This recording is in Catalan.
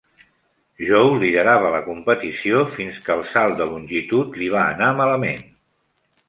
Joe liderava la competició fins que el salt de longitud li va anar malament.